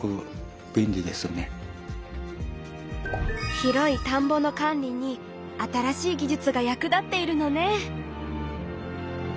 広い田んぼの管理に新しいぎじゅつが役立っているのね！